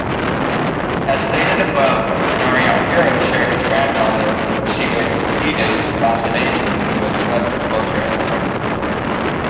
As stated above, Nariakira shared his grandfather Shigehide's fascination with Western culture and learning.